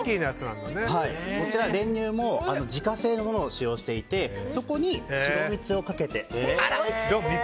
練乳も自家製のものを使用していてそこに、白蜜をかけて。